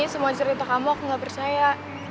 semua cerita kamu aku gak percaya